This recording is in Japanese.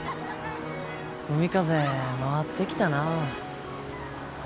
海風回ってきたなあ。